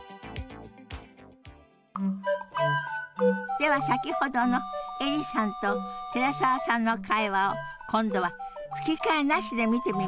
では先ほどのエリさんと寺澤さんの会話を今度は吹き替えなしで見てみましょう。